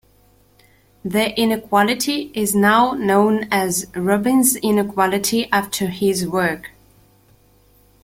The inequality is now known as Robin's inequality after his work.